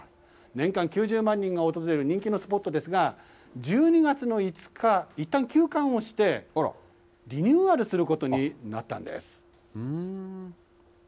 年間９０万人が訪れる人気のスポットですが、１２月の５日、いったん休館をして、リニューアルすることになったんです。